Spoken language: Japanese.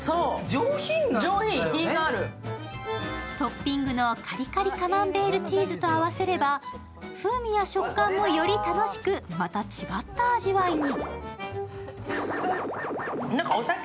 トッピングのカリカリカマンベールチーズと合わせれば、風味や食感もより楽しくまた違った味わいに。